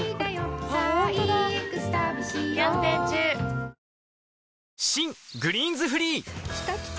ぷはーっ新「グリーンズフリー」きたきた！